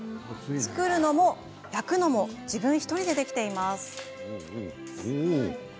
作るのも、焼くのも自分１人でできています。